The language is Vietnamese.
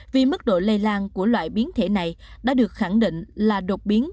vì mức độ lây lan của loại biến thể này đã được khẳng định là đột biến